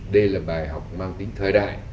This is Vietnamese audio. đây là bài học mang tính thời đại